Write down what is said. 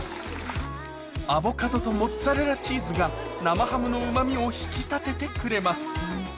アボカドとモッツァレラチーズが生ハムのうま味を引き立ててくれます